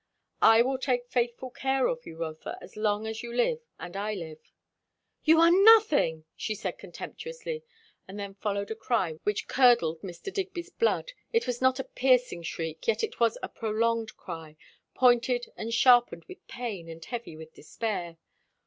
"I will take faithful care of you, Rotha, as long as you live, and I live." "You are nothing!" she said contemptuously. But then followed a cry which curdled Mr. Digby's blood. It was not a piercing shriek, yet it was a prolonged cry, pointed and sharpened with pain and heavy with despair.